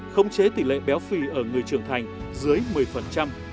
không chế tỷ lệ béo phì ở người trưởng thành dưới một mươi phần trăm